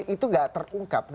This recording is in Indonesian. itu tidak terungkap